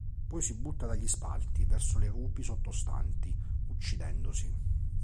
Poi si butta dagli spalti verso le rupi sottostanti, uccidendosi.